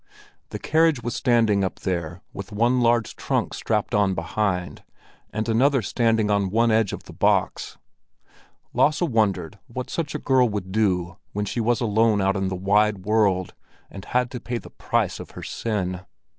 The carriage was standing up there with one large trunk strapped on behind, and another standing on one edge on the box. Lasse wondered what such a girl would do when she was alone out in the wide world and had to pay the price of her sin.